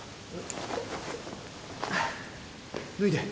脱いで！